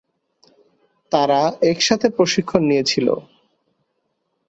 তারা একসাথে প্রশিক্ষণ নিয়েছিল।